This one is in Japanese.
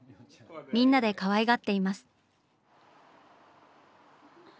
みんなでかわいがっています。